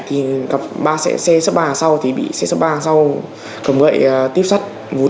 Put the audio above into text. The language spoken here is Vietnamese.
thì gặp ba xe sắp ba sau thì bị xe sắp ba sau cầm gậy tiếp sắt